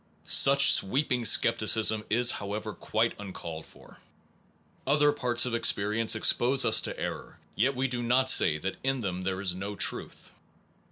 Such sweep ing scepticism is, however, quite uncalled for. Other parts of experience expose us to error, yet we do not say that in them is no truth.